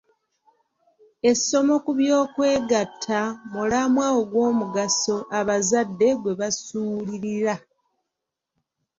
Essomo ku by'okwegatta mulamwa ogw'omugaso abazadde gwe basuulirira.